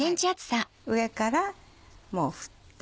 上からもう振って。